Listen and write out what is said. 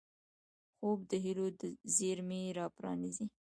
خوب د هیلو زېرمې راپرانيزي